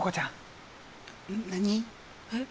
えっ？